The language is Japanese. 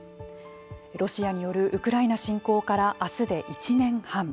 ロシアによるウクライナ侵攻から明日で１年半。